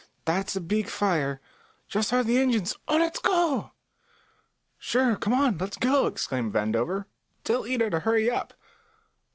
That's a big fire. Just hear the engines. Oh, let's go!" "Sure; come on, let's go!" exclaimed Vandover. "Tell Ida to hurry up."